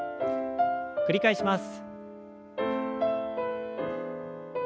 繰り返します。